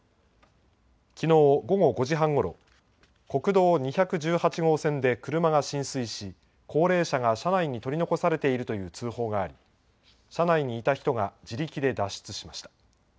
きのう午後５時半頃国道２８０号線で車が浸水し、高齢者が車内に取り残されていると通報があり、車内にいた人が自力で脱出しました。